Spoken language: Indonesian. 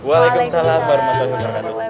waalaikumsalam warahmatullahi wabarakatuh